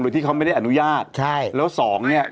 โดยที่เขาไม่ได้อนุญาตใช่